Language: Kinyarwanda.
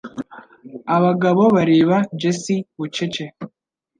Abagabo bareba Jessie bucece.